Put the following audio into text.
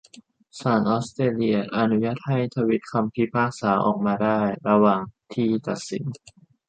ศาลออสเตรเลียอนุญาตให้ทวิตคำพิพากษาออกมาได้ระหว่างที่ตัดสิน